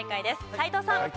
斎藤さん。